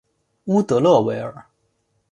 乌德勒维尔。